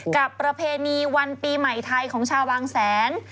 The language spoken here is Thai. ประเพณีวันปีใหม่ไทยของชาวบางแสน